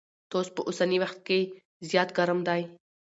توس په اوسني وخت کي زيات ګرم دی.